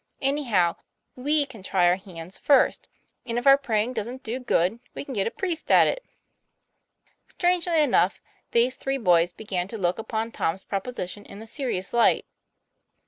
Anyhow, we can try our hands first, and if our pray ing don't do good, we can get a priest at it." Strangely enough, these three boys began to look upon Tom's proposition in a serious light.